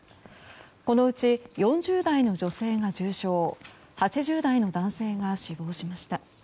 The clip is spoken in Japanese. このうち４０代の女性が重症８０代の男性が死亡しました。